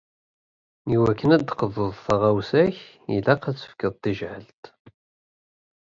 I wakken ad d-teqḍuḍ taɣawsa-k, ilaq ad tefkeḍ tajɛelt.